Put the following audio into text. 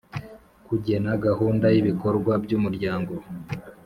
Kugena gahunda y ibikorwa by umuryango